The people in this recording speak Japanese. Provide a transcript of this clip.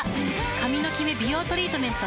髪のキメ美容トリートメント。